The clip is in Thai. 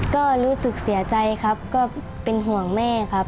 ก็รู้สึกเสียใจครับก็เป็นห่วงแม่ครับ